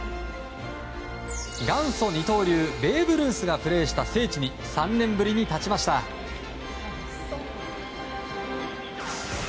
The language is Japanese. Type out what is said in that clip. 元祖二刀流ベーブ・ルースがプレーした聖地に３年ぶりに立ちました。